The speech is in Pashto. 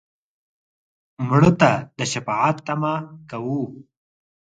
مړه ته د شفاعت تمه کوو